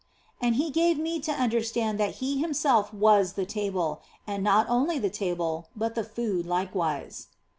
And He gave me to under stand that He Himself was the table, and not only the table, but the food likewise.